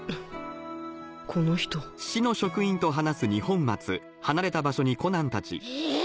この人えぇ！？